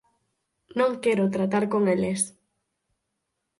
Non quero tratar con eles.